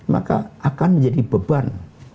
maka akan menjadi beban